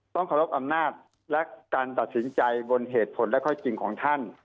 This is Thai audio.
ต้องเคารพอำนาจและการตัดสินใจบนเหตุผลและข้อจริงของท่าน